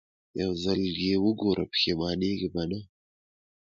يو ځل يې وګوره پښېمانېږې به نه.